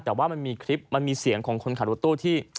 แต่ว่ามันมีคลิปมันมีเสียงของคนขับรถตู้ที่